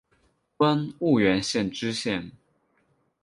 官婺源县知县。